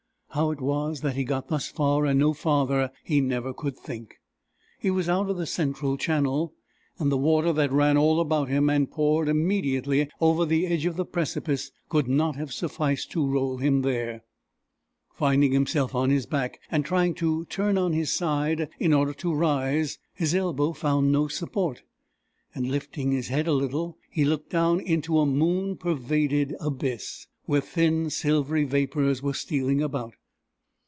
How it was that he got thus far and no farther, he never could think. He was out of the central channel, and the water that ran all about him and poured immediately over the edge of the precipice, could not have sufficed to roll him there. Finding himself on his back, and trying to turn on his side in order to rise, his elbow found no support, and lifting his head a little, he looked down into a moon pervaded abyss, where thin silvery vapours were stealing about.